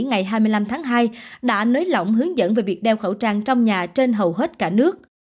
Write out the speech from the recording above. ngày hai mươi năm tháng hai đã nới lỏng hướng dẫn về việc đeo khẩu trang trong nhà trên hầu hết cả nước